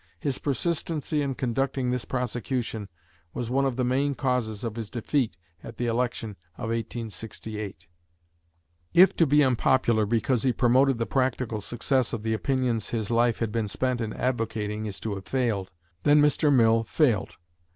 His persistency in conducting this prosecution was one of the main causes of his defeat at the election of 1868. If to be unpopular because he promoted the practical success of the opinions his life had been spent in advocating is to have failed, then Mr. Mill failed.